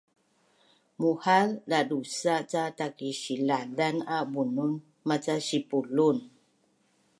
mu’haz dadusa’ ca takisilazan a bunun maca sipulun